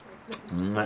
うまい。